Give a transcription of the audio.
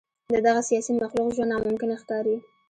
د دغه سیاسي مخلوق ژوند ناممکن ښکاري.